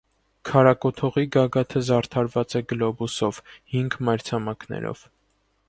Քարակոթողի գագաթը զարդարված է գլոբուսով՝ հինգ մայրցամաքներով։